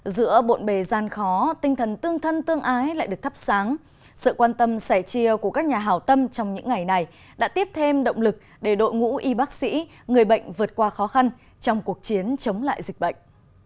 giữa bộn bề gian khó tinh thần tương thân tương ái lại được thắp sáng sự quan tâm sẻ chia của các nhà hào tâm trong những ngày này đã tiếp thêm động lực để đội ngũ y bác sĩ người bệnh vượt qua khó khăn trong cuộc chiến chống lại dịch bệnh